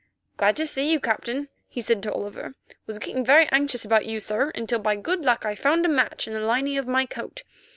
"Glad to see you, Captain," he said to Oliver. "Was getting very anxious about you, sir, until by good luck I found a match in the lining of my coat.